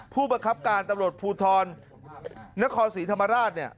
ผู้บังคับการตำรวจภูทรนครศรีธรรมราชเนี่ย